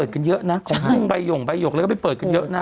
ของใบหยกแล้วก็ไปเปิดกันเยอะนะ